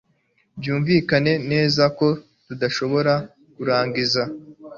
Byumvikana neza ko tudashobora kurangiza